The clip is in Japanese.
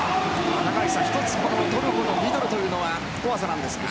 トルコのミドルというのは怖さなんですが。